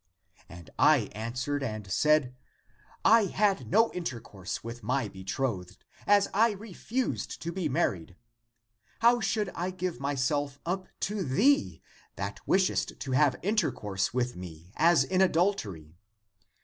And I an swered and said, ' I had no intercourse with my be trothed, as I refused to be marrried — how should I give myself up to thee, that wishest to have inter course with me as in adultery